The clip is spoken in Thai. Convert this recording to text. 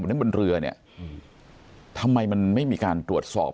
เหมือนที่บนเรือเนี้ยอืมทำไมมันไม่มีการตรวจสอบ